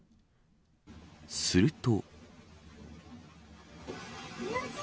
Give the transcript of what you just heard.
すると。